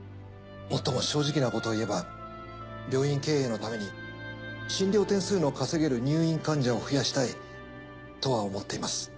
もっとも正直なことを言えば病院経営のために診療点数の稼げる入院患者を増やしたいとは思っています。